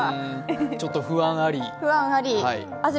ちょっと不安あり。